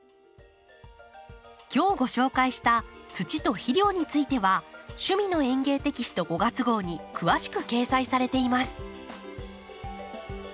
今日ご紹介した土と肥料については「趣味の園芸」テキスト５月号に詳しく掲載されています。